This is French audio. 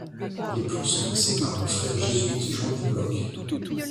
Les plans sont dressés par le frère jésuite Jean Du Blocq.